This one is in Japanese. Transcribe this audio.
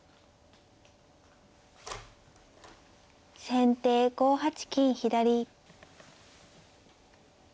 先手５八金左。